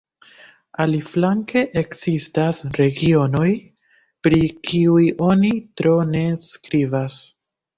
Aliflanke ekzistas regionoj, pri kiuj oni tro ne skribas.